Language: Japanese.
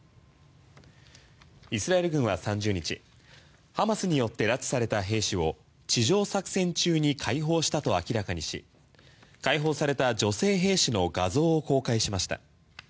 イスラエル軍は３０日ハマスによって拉致された兵士を地上作戦中に解放したと明らかにし解放された女性兵士の画像を公開しました。